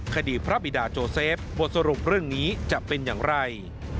คดีพระบิดาโจเซฟบทสรุปเรื่องนี้จะเป็นอย่างไร